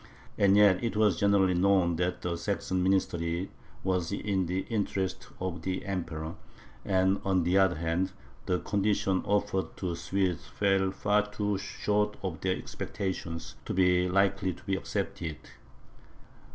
And yet it was generally known that the Saxon ministry was in the interests of the Emperor, and on the other hand, the conditions offered to the Swedes fell too far short of their expectations to be likely to be accepted.